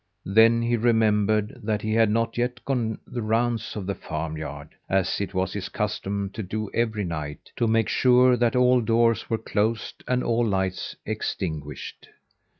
Then he remembered that he had not yet gone the rounds of the farm yard, as it was his custom to do every night, to make sure that all doors were closed and all lights extinguished.